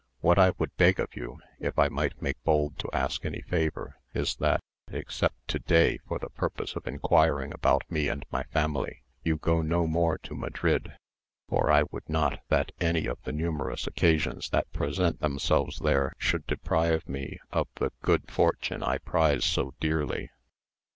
What I would beg of you (if I might make bold to ask any favour) is that, except to day for the purpose of inquiring about me and my family, you go no more to Madrid, for I would not that any of the numerous occasions that present themselves there, should deprive me of the good fortune I prize so dearly."